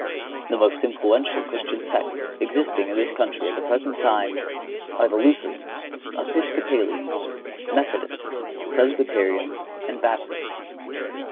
The most influential Christian sects existing in this country at the present time are the Lutherans, Episcopalians, Methodists, Presbyterians and Baptists.